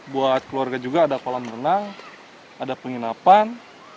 buat keluarga juga ada kolam renang ada penginapan